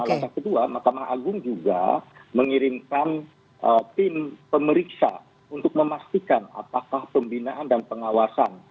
langkah kedua mahkamah agung juga mengirimkan tim pemeriksa untuk memastikan apakah pembinaan dan pengawasan